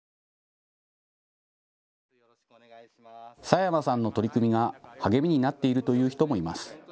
佐山さんの取り組みが励みになっているという人もいます。